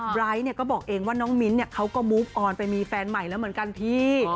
ไร้ก็บอกเองว่าน้องมิ้นเขาก็มูฟออนไปมีแฟนใหม่แล้วเหมือนกันพี่